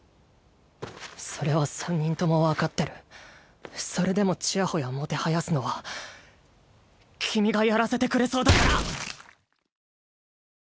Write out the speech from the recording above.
それは三人とも分かってるそれでもちやほやもてはやすのは君がやらせてくれそうだからドカッ！